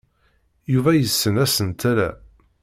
Yuba yessen asentel-a.